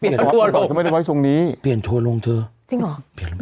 เปลี่ยนตัวลงเดี๋ยวไม่ได้ไว้ทรงนี้เปลี่ยนตัวลงเธอจริงหรอ